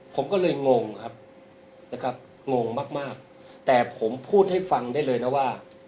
ผมก็เลยงงครับนะครับงงมากมากแต่ผมพูดให้ฟังได้เลยนะว่า